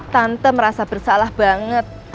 tante merasa bersalah banget